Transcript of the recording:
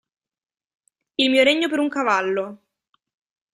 Il mio regno per un cavallo!